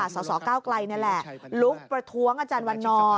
นี่แหละรุกประท้วงอวันนอร์